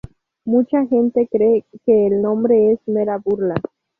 Mucha gente cree que el nombre es mera burla.